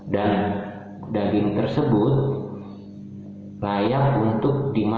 dan daging tersebut layak untuk dibuat